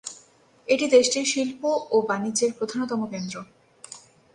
এটি দেশটির শিল্প ও বাণিজ্যের প্রধানতম কেন্দ্র।